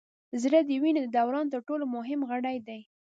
زړه د وینې د دوران تر ټولو مهم غړی دی